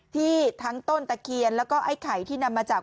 ทั้งต้นตะเคียนแล้วก็ไอ้ไข่ที่นำมาจาก